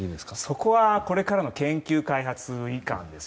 そこはこれからの研究開発いかんです。